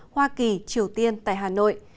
hoa kỳ triều tiên tại hà nội